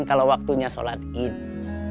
kalau waktunya sholat idul fitri